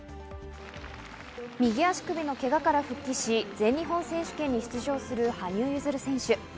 右足首のけがから復帰し、全日本選手権に出場する羽生結弦選手。